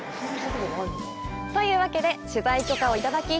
というわけで、取材許可をいただき